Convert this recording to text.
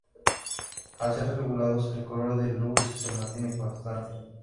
Al ser regulados, el color de luz se mantiene constante.